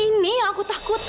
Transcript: ini yang aku takutkan fadil